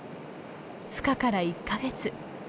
ふ化から１か月。